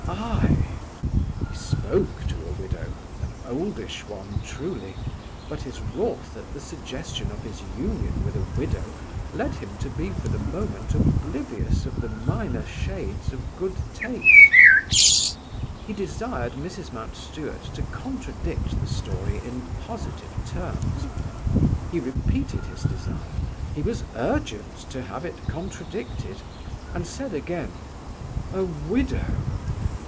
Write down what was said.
"I!" He spoke to a widow; an oldish one truly; but his wrath at the suggestion of his union with a widow led him to be for the moment oblivious of the minor shades of good taste. He desired Mrs. Mountstuart to contradict the story in positive terms. He repeated his desire; he was urgent to have it contradicted, and said again, "A widow!"